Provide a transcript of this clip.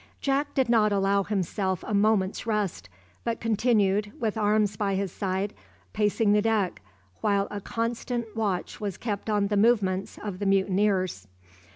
Jack did not allow himself a moment's rest, but continued, with arms by his side, pacing the deck, while a constant watch was kept on the movements of the mutineers.